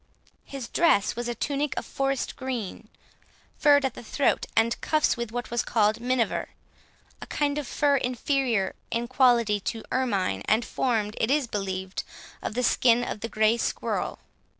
His dress was a tunic of forest green, furred at the throat and cuffs with what was called minever; a kind of fur inferior in quality to ermine, and formed, it is believed, of the skin of the grey squirrel.